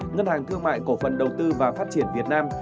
ngân hàng thương mại cổ phần đầu tư và phát triển việt nam